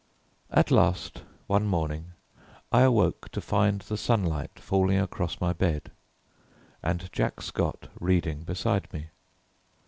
At last, one morning I awoke to find the sunlight falling across my bed, and Jack Scott reading beside me.